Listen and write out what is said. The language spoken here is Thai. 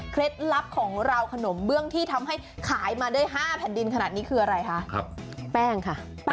ลับของเราขนมเบื้องที่ทำให้ขายมาได้๕แผ่นดินขนาดนี้คืออะไรคะแป้งค่ะ